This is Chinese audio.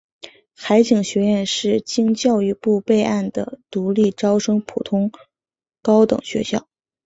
海警学院是经教育部备案的独立招生普通高等学校。